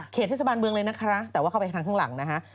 เทศบาลเมืองเลยนะคะแต่ว่าเข้าไปทางข้างหลังนะฮะ